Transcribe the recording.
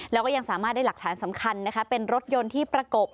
แล้วก็ยังสามารถได้หลักฐานสำคัญนะคะเป็นรถยนต์ที่ประกบ